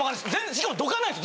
しかもどかないです。